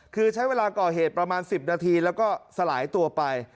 คือใช้เวลาก่อเหตุประมาณ๑๐นาทีแล้วก็สลายตัวไป